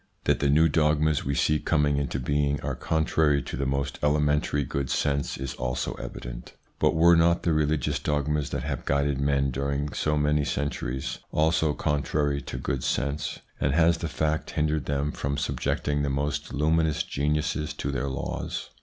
That the new dogmas we see coming into being are contrary to the most elementary good sense is also evident. But were not the religious dogmas that have guided men during so many centuries also contrary to good sense, and has the fact hindered ITS INFLUENCE ON THEIR EVOLUTION 227 them from subjecting the most luminous geniuses to their laws